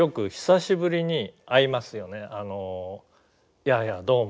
「いやいやどうも。